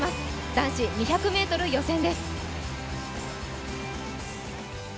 男子２００ｍ予選です。